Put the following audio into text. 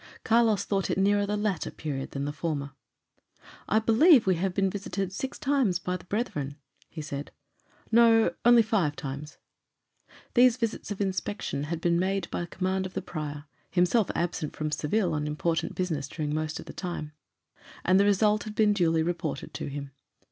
Carlos thought it nearer the latter period than the former. "I believe we have been visited six times by the brethren," he said. "No; only five times." These visits of inspection had been made by command of the prior himself absent from Seville on important business during most of the time and the result had been duly reported to him.